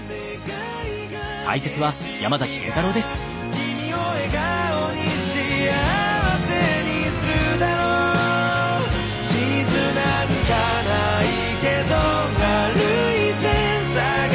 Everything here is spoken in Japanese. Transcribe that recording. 「君を笑顔に幸せにするだろう」「地図なんかないけど歩いて探して」